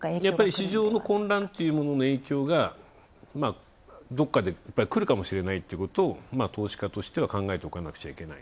市場の混乱というものの影響がどっかで来るかもしれないっていうことを投資家としては考えておかなくちゃいけない。